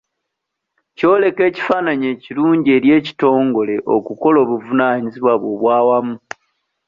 Kyoleka ekifaananyi ekirungi eri ekitongole okukola obuvunaanyizibwa obwa wamu.